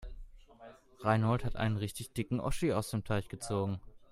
Reinhold hat einen richtig dicken Oschi aus dem Teich gezogen.